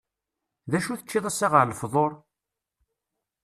D acu teččiḍ assa ɣer lfeḍur?